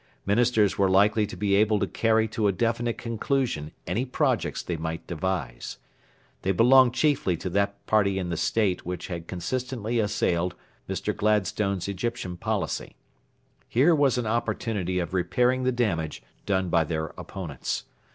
Ministers were likely to be able to carry to a definite conclusion any projects they might devise. They belonged chiefly to that party in the State which had consistently assailed Mr. Gladstone's Egyptian policy. Here was an opportunity of repairing the damage done by their opponents.